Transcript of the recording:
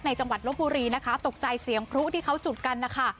จังหวัดลบบุรีนะคะตกใจเสียงพลุที่เขาจุดกันนะคะ